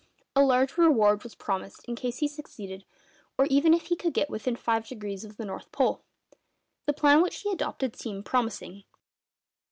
A large reward was promised in case he succeeded, or even if he could get within five degrees of the North Pole. The plan which he adopted seemed promising.